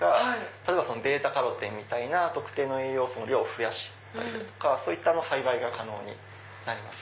例えばβカロテンみたいな特定の栄養素の量を増やしたりそういった栽培が可能になります。